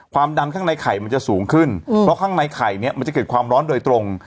ความดันข้างในไข่มันจะสูงขึ้นเพราะข้างในไข่เนี่ยมันจะเกิดความร้อนโดยตรง